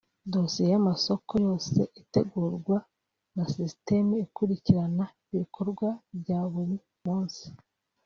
Dosiye y’amasoko yose itegurwa na ‘system’ ikurikirana ibikorwa bya buri munsi